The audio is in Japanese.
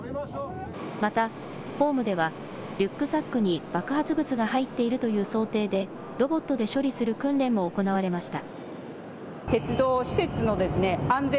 またホームではリュックサックに爆発物が入っているという想定でロボットで処理する訓練も行われました。